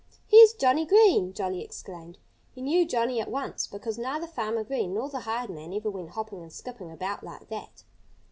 "Here's Johnnie Green!" Jolly exclaimed. He knew Johnnie at once, because neither Farmer Green nor the hired man ever went hopping and skipping about like that.